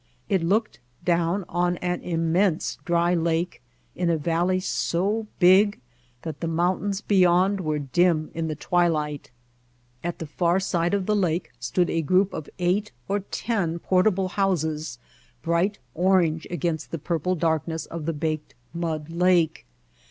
It looked down on an immense dry lake in a valley so big that the mountains beyond were dim in the twilight. At the far side of the lake stood a White Heart of Mojave group of eight or ten portable houses, bright orange beside the purple darkness of the baked mud lake.